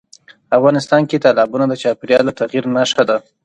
افغانستان کې تالابونه د چاپېریال د تغیر نښه ده.